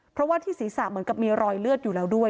เพราะว่าที่ศีรษะเหมือนกับมีรอยเลือดอยู่แล้วด้วย